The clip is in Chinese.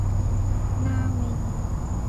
拉维尼。